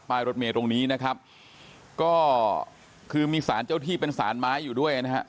รถเมย์ตรงนี้นะครับก็คือมีสารเจ้าที่เป็นสารไม้อยู่ด้วยนะครับ